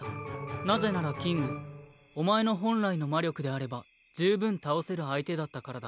なぜならキングお前の本来の魔力であれば十分倒せる相手だったからだ。